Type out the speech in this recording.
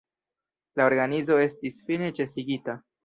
La organizo estis fine ĉesigita.